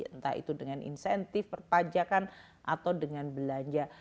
entah itu dengan insentif perpajakan atau dengan belanja